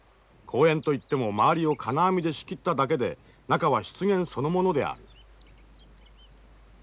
公園といっても周りを金網で仕切っただけで中は湿原そのものである。